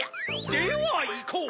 ではいこう！